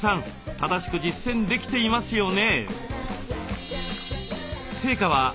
正しく実践できていますよね？